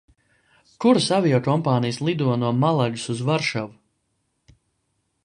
Kuras aviokompānijas lido no Malagas uz Varšavu?